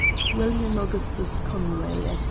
WILLIAM AUGUSTUS CONWAY, Esq.